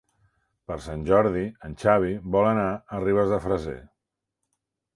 Per Sant Jordi en Xavi vol anar a Ribes de Freser.